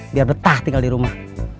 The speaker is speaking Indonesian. biar betah tinggal di rumah